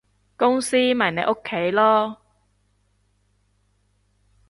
公司咪你屋企囉